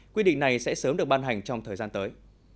quy định này sẽ sớm được ban hành trong thời gian tới